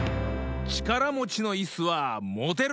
ちからもちのいすはもてる！